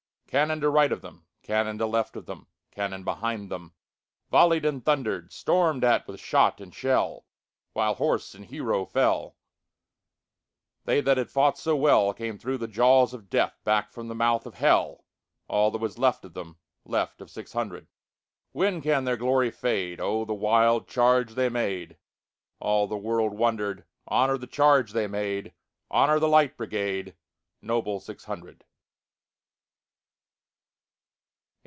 Cannon to right of them, Cannon to left of them, Cannon behind themVolley'd and thunder'd; Storm'd at with shot and shell, While horse and hero fell, They that had fought so wellCame thro' the jaws of Death, Back from the mouth of Hell, All that was left of them, Left of six hundred. When can their glory fade?O the wild charge they made! All the world wonder'd. Honor the charge they made! Honor the Light Brigade, Noble six hundred!